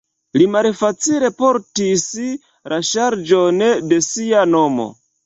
Li malfacile portis la ŝarĝon de sia nomo.